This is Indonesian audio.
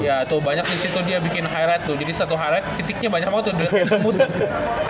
iya tuh banyak di situ dia bikin highlight tuh jadi satu highlight titiknya banyak banget tuh